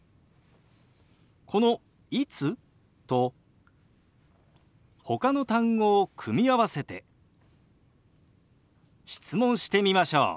この「いつ？」とほかの単語を組み合わせて質問してみましょう。